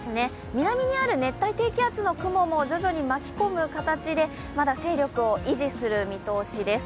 南にある熱帯低気圧の雲も徐々に巻き込む形でまだ勢力を維持する見通しです。